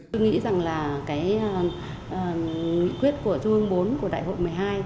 tôi nghĩ rằng là cái quyết của chương bốn của đại hội một mươi hai